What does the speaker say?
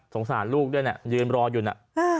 สงสารลูกด้วยเนี่ยยืนรออยู่นะ